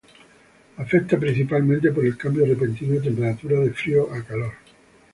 Afecta principalmente por el cambio repentino de temperatura de frío a calor.